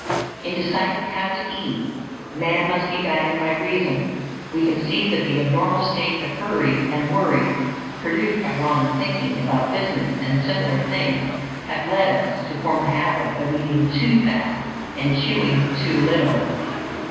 In deciding how to eat, man must be guided by reason. We can see that the abnormal states of hurry and worry produced by wrong thinking about business and similar things have led us to form the habit of eating too fast, and chewing too little.